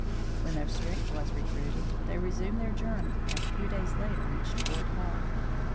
When their strength was recruited, they resumed their journey and a few days later reached Fort Hall.